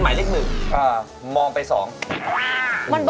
มันมองไปทางไหน